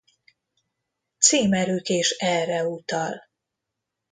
Címerük is erre utal.